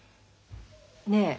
ねえ